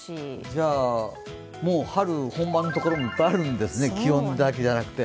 じゃ、もう春本番のところもいっぱいあるんですね、気温だけじゃなくて。